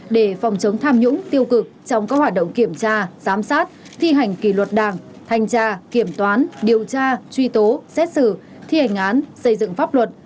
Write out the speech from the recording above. để phòng chống tham nhũng tiêu cực trong các hoạt động kiểm tra giám sát thi hành kỷ luật đảng thanh tra kiểm toán điều tra truy tố xét xử thi hành án xây dựng pháp luật